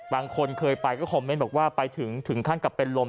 บางคนเคยไปก็คอมเมนต์บอกว่าไปถึงถึงขั้นกับเป็นลม